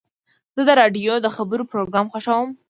زه د راډیو د خبرو پروګرام خوښوم.